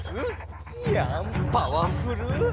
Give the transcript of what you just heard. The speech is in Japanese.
いやんパワフル。